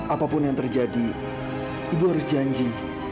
apapun yang terjadi ibu harus janji